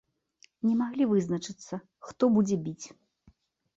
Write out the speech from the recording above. Не змаглі вызначыцца, хто будзе біць.